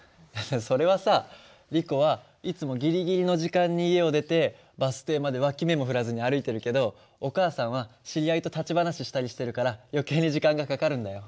それはさリコはいつもギリギリの時間に家を出てバス停まで脇目も振らずに歩いてるけどお母さんは知り合いと立ち話したりしてるから余計に時間がかかるんだよ。